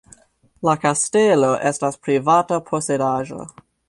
La kastelo estas privata posedaĵo.